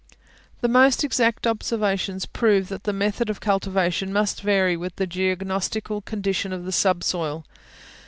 The most exact observations prove that the method of cultivation must vary with the geognostical condition of the subsoil.